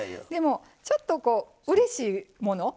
ちょっとうれしいもの